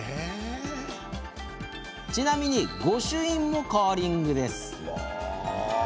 ちなみに御朱印もカーリングです。